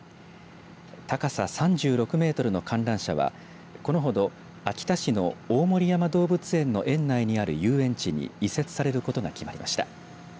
高さ３６メートルの観覧車はこのほど、秋田市の大森山動物園の園内にある遊園地に移設されることが決まりました。